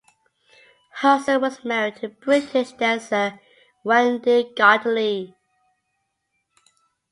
Hudson was married to British dancer Wendy Gotelee.